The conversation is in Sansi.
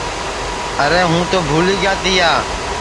ارے ہوں تو بُھولی گا تیا